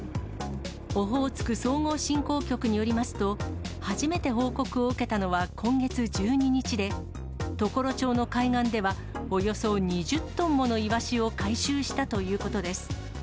オホーツク総合振興局によりますと、初めて報告を受けたのは今月１２日で、常呂町の海岸では、およそ２０トンものイワシを回収したということです。